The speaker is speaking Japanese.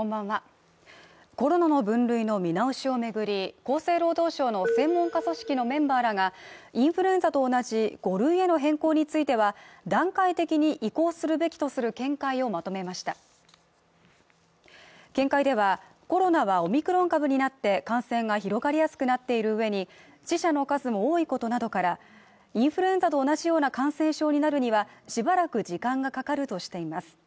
厚生労働省の専門家組織のメンバーらがインフルエンザと同じ５類への変更については段階的に移行するべきとする見解をまとめました見解ではコロナはオミクロン株になって感染が広がりやすくなっている上に死者の数も多いことなどからインフルエンザと同じような感染症になるにはしばらく時間がかかるとしています